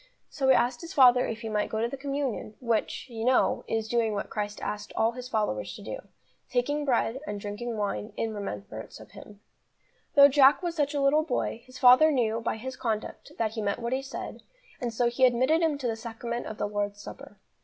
So he asked his father if he might go to the communion, which, you know, is doing what Christ asked all His followers to do, taking bread and drinking wine "in remembrance of Him." Though Jack was such a little boy, his father knew, by his conduct, that he meant what he said, and so he admitted him to the Sacrament of the Lord's Supper.